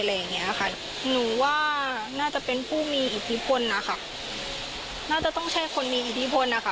พี่คือพ่อหนูก็เป็นแบบเป็นคนดีอ่ะ